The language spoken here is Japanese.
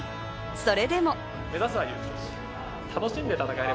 それでも。